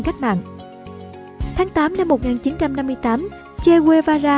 cách mạng tháng tám năm một nghìn chín trăm năm mươi tám che guevara